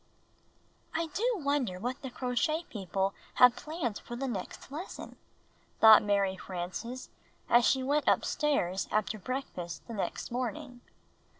DO wonder what the Crochet People have planned for the next lesson," thought Mary Frances as she went upstairs after breakfast the next morning.